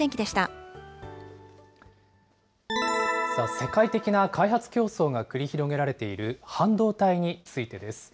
世界的な開発競争が繰り広げられている半導体についてです。